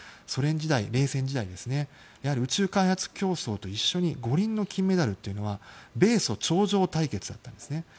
ソ連時代、冷戦時代に宇宙開発競争と一緒に五輪の金メダルというのは米ソ頂上対決だったんですね。